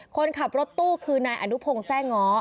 คนขับรถตู้คือนายอนุพงศ์แซ่ง้อ